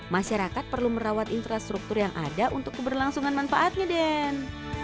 masyarakat perlu merawat infrastruktur yang ada untuk keberlangsungan manfaatnya den